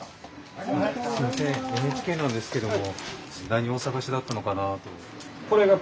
すいませんＮＨＫなんですけども。